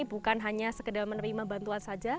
bukan hanya sekedar menerima bantuan saja